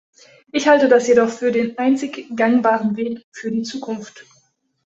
Ich halte das jedoch für den einzig gangbaren Weg für die Zukunft.